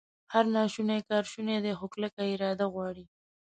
هر ناشونی کار شونی دی، خو کلکه اراده غواړي